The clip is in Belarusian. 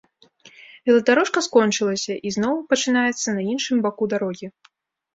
Веладарожка скончылася і зноў пачынаецца на іншым баку дарогі.